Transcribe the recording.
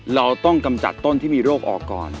เราต้องกำจัดต้นที่มีโรคออกก่อน